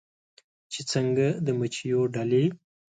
چې څنګه د مچېو ډلې